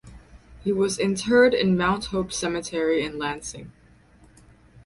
He was interred in Mount Hope Cemetery in Lansing.